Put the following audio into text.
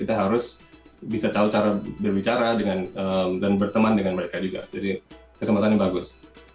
kita harus bisa tahu cara berbicara dengan dan berteman dengan mereka juga jadi kesempatannya bagus